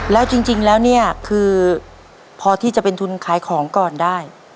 แล้วจริงแล้วเนี่ยคือพอที่จะเป็นทุนขายของก่อนได้